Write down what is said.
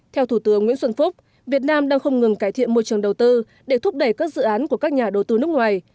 theo thủ tướng nguyễn xuân phúc việt nam đang không ngừng cải thiện môi trường đầu tư để thúc đẩy các dự án của các nhà đầu tư nước ngoài